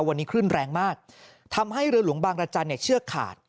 วันนี้คลื่นแรงมากทำให้เรือหลวงบางรจันทร์เนี่ยเชือกขาด